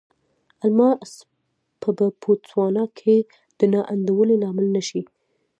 الماس به په بوتسوانا کې د نا انډولۍ لامل نه شي.